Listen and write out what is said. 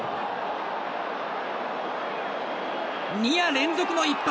２夜連続の一発！